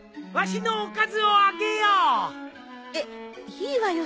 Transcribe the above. いいわよ